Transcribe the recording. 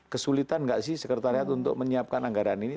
kesulitan nggak sih sekretariat untuk menyiapkan anggaran ini